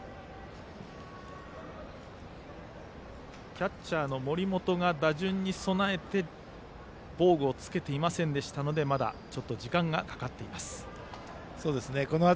キャッチャーの森本が打順に備えて防具を着けていませんでしたので時間がかかっています。